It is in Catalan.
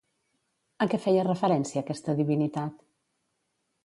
A què feia referència aquesta divinitat?